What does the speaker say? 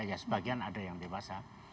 ya sebagian ada yang dewasa